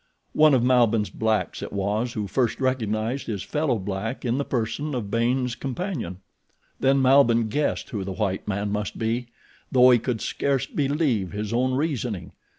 One of Malbihn's blacks it was who first recognized his fellow black in the person of Baynes' companion. Then Malbihn guessed who the white man must be, though he could scarce believe his own reasoning.